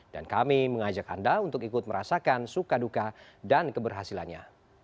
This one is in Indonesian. dan kami mengajak anda untuk ikut merasakan suka duka dan keberhasilannya